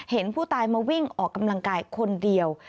เห็นผู้ตายมาวิ่งออกกำลังกายคนเดียว